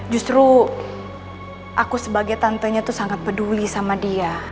justru aku sebagai tantenya itu sangat peduli sama dia